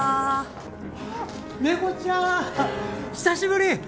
久しぶり。